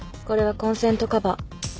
これはコンセントカバー。